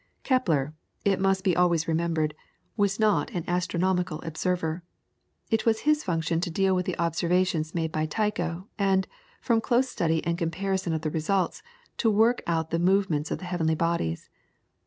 Kepler, it must be always remembered, was not an astronomical observer. It was his function to deal with the observations made by Tycho, and, from close study and comparison of the results, to work out the movements of the heavenly bodies.